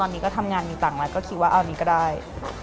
ตอนนี้ก็ทำงานมีต่างแล้วก็คิดว่าเอานี้ก็ได้